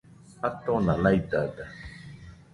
Atona naidada